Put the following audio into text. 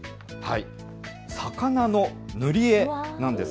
魚の塗り絵なんです。